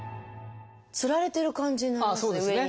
つられてる感じになりますね